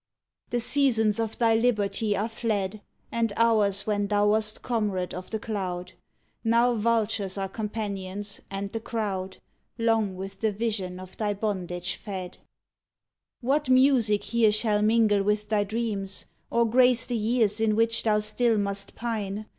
The seasons of thy liberty are fled, And hours when thou wast comrade of the cloud. Now vultures are companions, and the crowd, Long with the vision of thy bondage fed. 43 THE CAGED EAGLE What music here shall mingle with thy dreams, Or grace the years in which thou still must pine?